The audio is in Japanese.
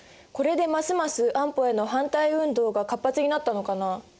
これでますます安保への反対運動が活発になったのかな？